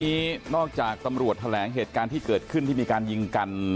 นี้นอกจากตำรวจแถลงเหตุการณ์ที่เกิดขึ้นที่มีการยิงกัน